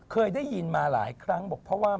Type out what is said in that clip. เคยได้ยินมาหลายครั้งบอกเพราะว่า